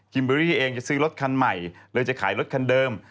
เบอรี่เองจะซื้อรถคันใหม่เลยจะขายรถคันเดิม